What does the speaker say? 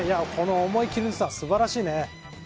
思い切りのよさ、すばらしいね。